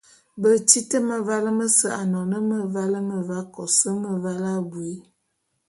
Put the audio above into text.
Betit mevale mese, anon meval meva, kos meval abui.